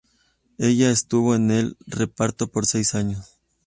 Ella estuvo en el reparto por seis años.